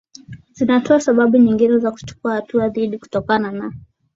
zinatoa sababu nyingine ya kuchukua hatua dhidiKutokana na